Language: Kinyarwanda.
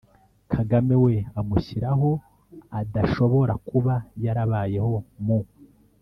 kagame we, amushyira ho adashobora kuba yarabayeho mu